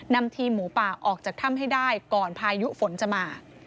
นำทีมหมูป่าออกจากถ้ำให้ได้ก่อนพายุฝนจะมา